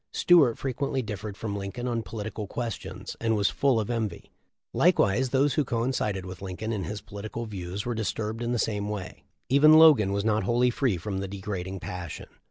Stuart frequently differed from Lincoln on political questions, and was full of envy. Likewise those who coincided with Lincoln in his political views were disturbed in the same way. Even Logan was not wholly free from the degrading passion.